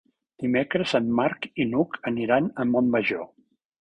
Dimecres en Marc i n'Hug aniran a Montmajor.